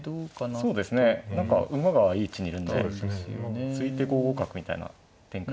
そうですね何か馬がいい位置にいるんで突いて５五角みたいな展開にならないとちょっときつい。